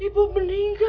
iya pak meninggal